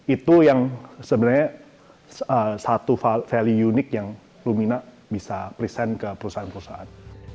itu yang sebenarnya satu value unik yang lumina bisa present ke perusahaan perusahaan